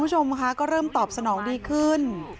คุณระชมค่ะก็เริ่มตอบ๑๐วันดีขึ้น